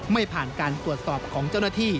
ไม่ผ่านการตรวจสอบของเจ้าหน้าที่